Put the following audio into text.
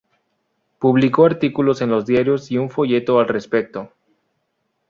Publicó artículos en los diarios y un folleto al respecto.